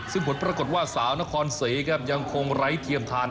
ซึ่งผลปรากฏว่าสาวนครศรีครับยังคงไร้เทียมทาน